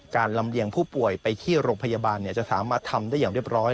ลำเลียงผู้ป่วยไปที่โรงพยาบาลจะสามารถทำได้อย่างเรียบร้อย